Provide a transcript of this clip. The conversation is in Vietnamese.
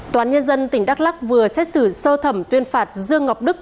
tòa án nhân dân tỉnh đắk lắc vừa xét xử sơ thẩm tuyên phạt dương ngọc đức